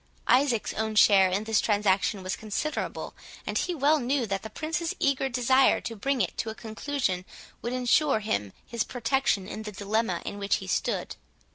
Isaac's own share in this transaction was considerable, and he well knew that the Prince's eager desire to bring it to a conclusion would ensure him his protection in the dilemma in which he stood.